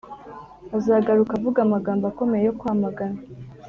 Azagaruka avuga amagambo akomeye yo kwamagana